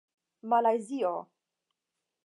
malajzio